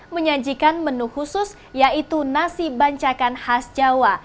menyajikan menu khusus yaitu nasi bancakan khas jawa